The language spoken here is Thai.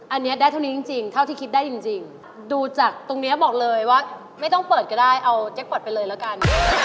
อันนี้ได้เท่านี้จริงเท่าที่คิดได้จริงดูจากตรงนี้บอกเลยว่าไม่ต้องเปิดก็ได้เอาแจ็คพอร์ตไปเลยแล้วกัน